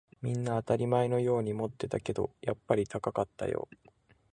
みんな当たり前のように持ってたけど、やっぱり高かったよ